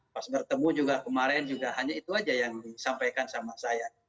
pas bertemu juga kemarin juga hanya itu saja yang disampaikan sama saya